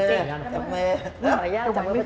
ขออนุญาตจับมือประจิก